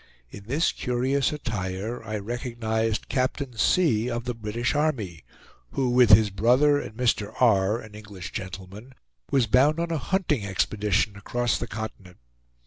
In this curious attire, I recognized Captain C. of the British army, who, with his brother, and Mr. R., an English gentleman, was bound on a hunting expedition across the continent.